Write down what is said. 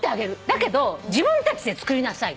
だけど自分たちで造りなさい。